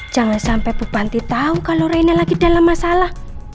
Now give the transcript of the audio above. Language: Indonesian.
jangan sampai bu panti tahu kalau rena lagi dalam masalah